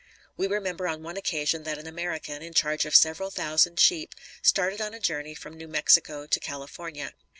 We remember on one occasion that an American, in charge of several thousand sheep, started on a journey from New Mexico to California.